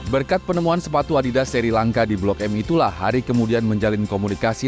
berkat penemuan sepatu adida seri langka di blok m itulah hari kemudian menjalin komunikasi